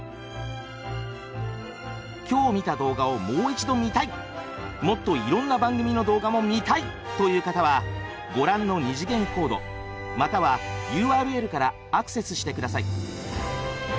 今日見た動画をもう一度見たいもっといろんな番組の動画も見たいという方はご覧の二次元コードまたはＵＲＬからアクセスして下さい。